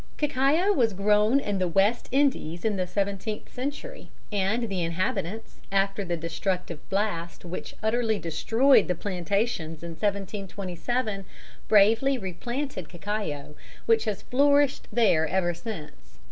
Cacao was grown in the West Indies in the seventeenth century, and the inhabitants, after the destructive "blast," which utterly destroyed the plantations in 1727, bravely replanted cacao, which has flourished there ever since.